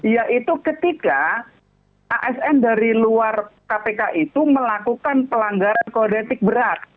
yaitu ketika asn dari luar kpk itu melakukan pelanggaran kode etik berat